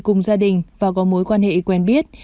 cùng gia đình và có mối quan hệ quen biết